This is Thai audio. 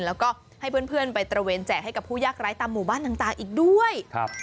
แล้วก็ให้เพื่อนไปตระเวนแจกให้กับผู้ยากร้ายตามหมู่บ้านต่างอีกด้วยครับ